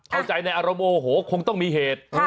เข้าใจในอารมณ์โมโหคงต้องมีเหตุ